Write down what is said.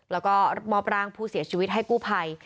แล้วก็มอบร่างผู้เสียชีวิตให้กู้ภัย